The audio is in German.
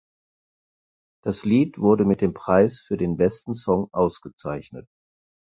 Das Lied wurde mit dem Preis für den besten Song ausgezeichnet.